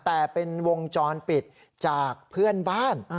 แต่เป็นวงจรปิดจากเพื่อนบ้าน